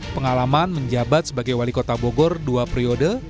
pengalaman menjabat sebagai wali kota bogor dua periode